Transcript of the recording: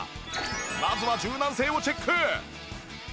まずは柔軟性をチェック！